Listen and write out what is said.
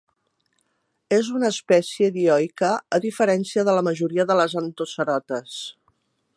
És una espècie dioica, a diferència de la majoria de les Antocerotes.